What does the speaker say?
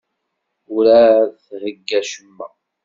Werɛad d-theyya acemma.